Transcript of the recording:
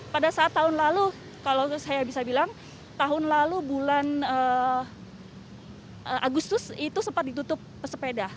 pada saat tahun lalu kalau saya bisa bilang tahun lalu bulan agustus itu sempat ditutup pesepeda